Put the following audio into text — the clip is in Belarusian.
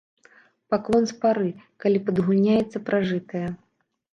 Паклон з пары, калі падагульняецца пражытае.